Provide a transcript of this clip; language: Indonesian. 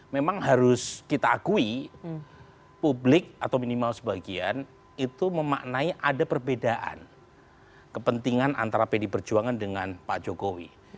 memang harus kita akui publik atau minimal sebagian itu memaknai ada perbedaan kepentingan antara pdi perjuangan dengan pak jokowi